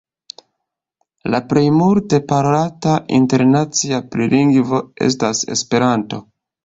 La plej multe parolata internacia planlingvo estas Esperanto.